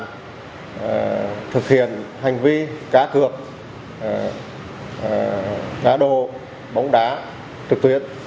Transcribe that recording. đối tượng đã thực hiện hành vi cá cược cá đồ bóng đá trực tuyến